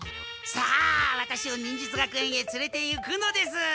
さあワタシを忍術学園へつれていくのです！